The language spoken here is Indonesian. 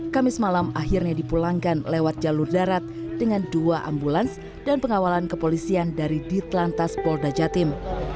kamis malam akhirnya dipulangkan lewat jalur darat dengan dua ambulans dan pengawalan kepolisian dari ditlantas polda jatim